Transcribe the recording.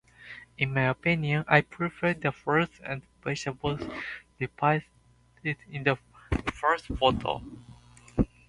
In my opinion, I prefer the fruits and vegetables depicted in the first photo.